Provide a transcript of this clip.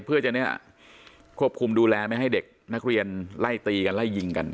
เพื่อจะเนี่ยควบคุมดูแลไม่ให้เด็กนักเรียนไล่ตีกันไล่ยิงกัน